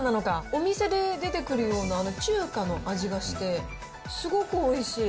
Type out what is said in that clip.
お店で出てくるような、あの中華の味がして、すごくおいしい。